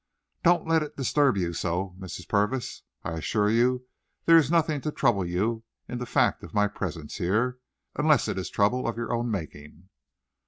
"Don't let it disturb you so, Mrs. Purvis. I assure you there is nothing to trouble you in the fact of my presence here, unless it is trouble of your own making."